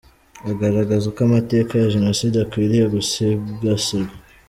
Agaragaza uko amateka ya Jenoside akwiriye gusigasirwa.